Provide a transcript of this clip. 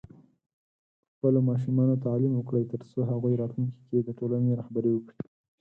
په خپلو ماشومانو تعليم وکړئ، ترڅو هغوی راتلونکي کې د ټولنې رهبري وکړي.